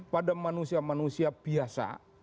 pada manusia manusia biasa